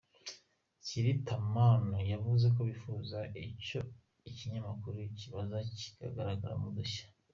Thierry Zomahoun yavuze ko bifuza ko icyo kinyamakuru kizaba kigaragaramo udushya.